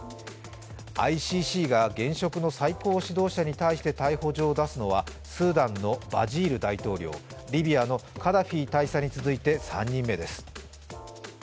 ＩＣＣが現職の最高指導者に対して逮捕状を出すのはスーダンのバシール大統領、リビアのカダフィ大佐に続いて３人目です。